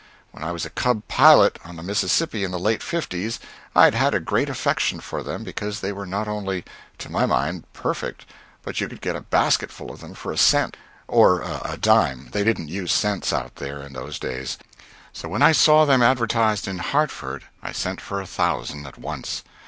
When I was a cub pilot on the Mississippi in the late '50's, I had had a great affection for them, because they were not only to my mind perfect, but you could get a basketful of them for a cent or a dime, they didn't use cents out there in those days. So when I saw them advertised in Hartford I sent for a thousand at once.